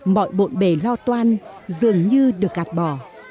mọi bộn bề lo toan dường như được gạt bỏ